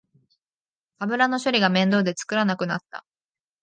油の処理が面倒で家で作らなくなった